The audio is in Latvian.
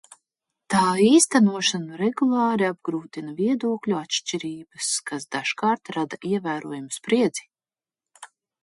Tā īstenošanu regulāri apgrūtina viedokļu atšķirības, kas dažkārt rada ievērojamu spriedzi.